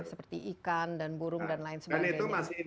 seperti ikan dan burung dan lain sebagainya